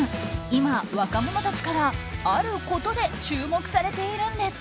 今、若者たちからあることで注目されているんです。